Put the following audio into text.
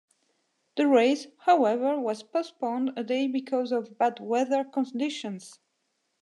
The race, however, was postponed a day because of bad weather conditions.